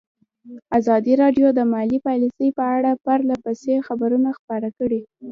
ازادي راډیو د مالي پالیسي په اړه پرله پسې خبرونه خپاره کړي.